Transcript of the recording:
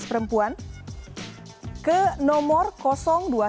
sebelumnya anda bisa mencari informasi terbaru dari komnas perempuan